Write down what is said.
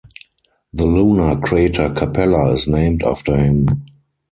The lunar crater Capella is named after him.